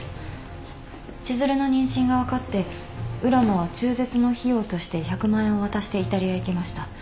千寿留の妊娠が分かって浦真は中絶の費用として１００万円を渡してイタリアへ行きました。